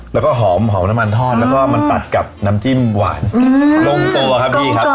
แล้วก็หอมหอมน้ำมันทอดแล้วก็มันตัดกับน้ำจิ้มหวานลงตัวครับพี่ครับ